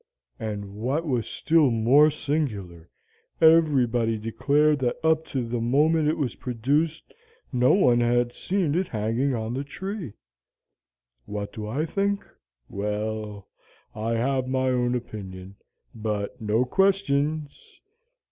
And, what was still more singular, everybody declared that up to the moment it was produced, no one had seen it hanging on the tree. What do I think? Well, I have my own opinion. But no questions!